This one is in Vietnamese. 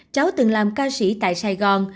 cháu từng làm ca sĩ tại sài gòn